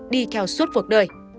đi theo suốt cuộc đời